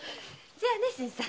じゃあね新さん。